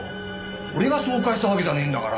俺が紹介したわけじゃねえんだから。